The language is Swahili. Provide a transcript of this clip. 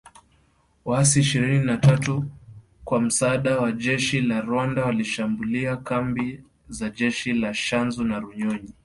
Waasi ishirini na tatu kwa msaada wa jeshi la Rwanda walishambulia kambi za jeshi la Tchanzu na Runyonyi